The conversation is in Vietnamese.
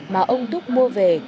mà ông túc mua về